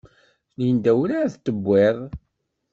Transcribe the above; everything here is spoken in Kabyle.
Linda werɛad d-tuwiḍ.